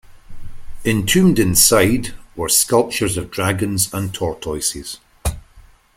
Entombed inside were sculptures of dragons and tortoises.